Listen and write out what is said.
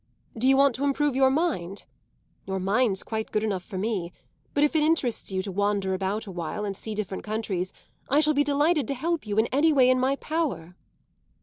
Do you want to improve your mind? Your mind's quite good enough for me; but if it interests you to wander about a while and see different countries I shall be delighted to help you in any way in my power."